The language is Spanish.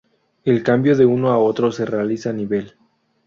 El cambio de uno a otro se realiza a nivel.